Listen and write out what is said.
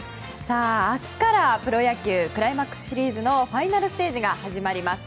明日から、プロ野球クライマックスシリーズのファイナルステージが始まります。